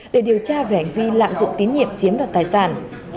để điều tra về hành vi lạm dụng tín nhiệm chiếm đoạt tài sản